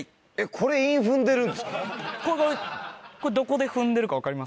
これどこで踏んでるか分かりますか？